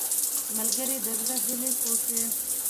ملګری د زړه هیلې پوښي